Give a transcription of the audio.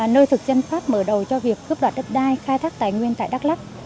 nơi thực dân pháp mở đầu cho việc cướp đoạt đất đai khai thác tài nguyên tại đắk lắc